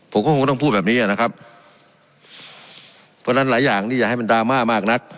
ผมก็คงต้องพูดแบบนี้นะครับเพราะฉะนั้นหลายอย่างนี่อย่าให้มันดราม่ามากนัก